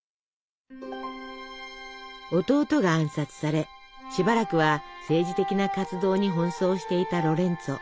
弟が暗殺されしばらくは政治的な活動に奔走していたロレンツォ。